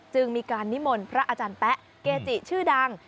จึงมีการนิมนต์พระอาจารย์แป๊ะเกจิชื่อดัง